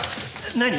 何？